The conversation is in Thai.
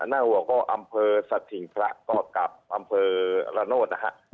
น่าห่วงก็อำเภอสัตว์สิ่งพระกับอำเภอระโนธนะครับ